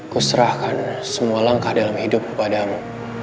kuserahkan semua langkah dalam hidup kepadamu